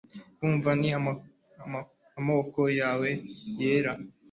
Kuva n'amaboko yawe yera,